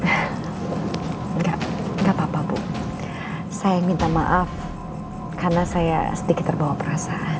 enggak enggak apa apa bu saya minta maaf karena saya sedikit terbawa perasaan